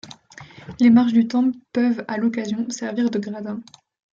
Les marches du temple peuvent, à l'occasion, servir de gradins.